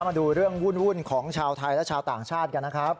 มาดูเรื่องวุ่นของชาวไทยและชาวต่างชาติกันนะครับ